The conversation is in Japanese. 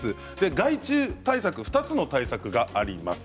害虫対策２つの対策があります。